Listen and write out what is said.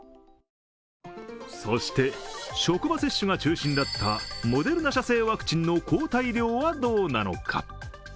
そして職場接種が中心だったモデルナ社製の抗体量はどうなのか。